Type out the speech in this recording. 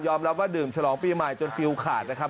รับว่าดื่มฉลองปีใหม่จนฟิลขาดนะครับ